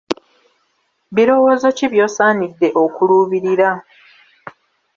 Birowoozo ki by'osaanidde okuluubirira?